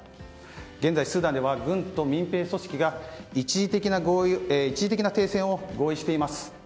現在スーダンでは軍と民兵組織が一時的な停戦を合意しています。